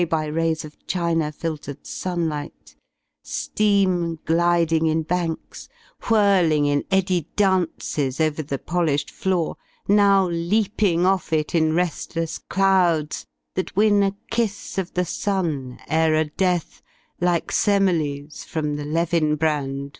By rays of chma filtered sunlight , fleam Gliding m hanks , whirling in eddied dances Over the polished floor, now leaping off it In reSiless clouds that win a kiss of the sun Ere a death, like Semele*s,from the levin brand.